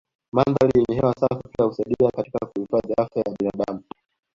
Mandhari yenye hewa safi pia husaidia katika kuhifadhi afya ya binadamu